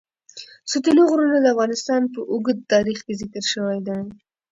ستوني غرونه د افغانستان په اوږده تاریخ کې ذکر شوی دی.